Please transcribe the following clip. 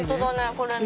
これね。